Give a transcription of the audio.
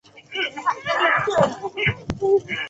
乙种车辆则不得驶入。